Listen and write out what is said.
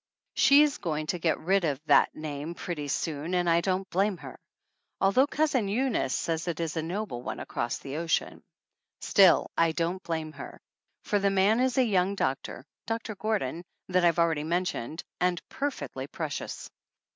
She's going to get rid of that name pretty soon and I don't blame her, although Cousin 42 THE ANNALS OF ANN Eunice says it is a noble one across the ocean. Still I don't blame her, for the man is a young doctor, Doctor Gordon that I've already men tioned, and perfectly precious.